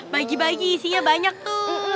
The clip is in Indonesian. bagi bagi isinya banyak tuh